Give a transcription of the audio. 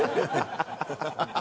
ハハハハ！